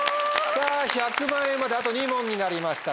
さぁ１００万円まであと２問になりました。